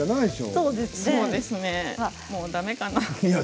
そうですねもうだめかな。